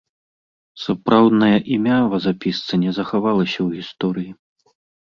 Сапраўднае імя вазапісца не захавалася ў гісторыі.